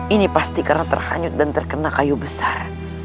ini pasti karena terhanyut dan terkena kayu besar